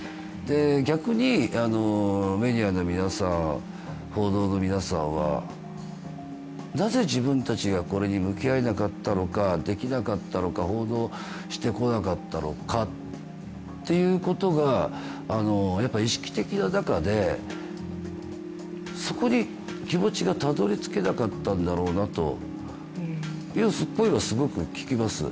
逆にメディアの皆さん報道の皆さんはなぜ自分たちがこれに向き合えなかったのか、できなかったのか、報道してこなかったのかっていうことが意識的な中で、そこに気持ちがたどり着けなかったんだろうなという声はよく聞きます。